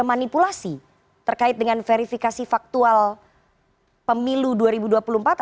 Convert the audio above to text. arteries happy first singular punyolo vericasi faktual dan memberikan cantikimento berikutnya